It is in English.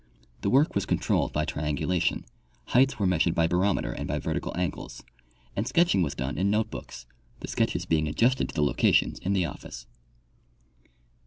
The work was controlled by triangulation ; heights were measured by barometer and by vertical angles, and sketching was done in note books, the sketches being adjusted to the locations in the office.